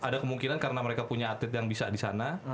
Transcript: ada kemungkinan karena mereka punya atlet yang bisa di sana